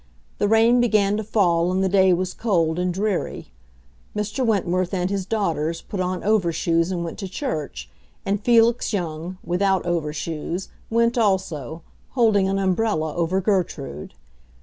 The rain began to fall and the day was cold and dreary. Mr. Wentworth and his daughters put on overshoes and went to church, and Felix Young, without overshoes, went also, holding an umbrella over Gertrude.